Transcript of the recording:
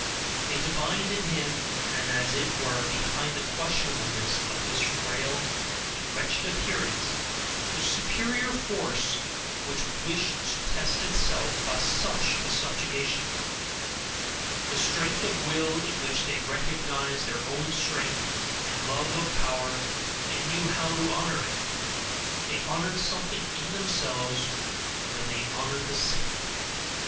They divined in him and as it were behind the questionableness of his frail and wretched appearance the superior force which wished to test itself by such a subjugation; the strength of will, in which they recognized their own strength and love of power, and knew how to honour it: they honoured something in themselves when they honoured the saint.